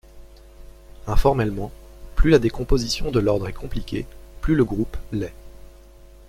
Informellement, plus la décomposition de l'ordre est compliquée, plus le groupe l'est.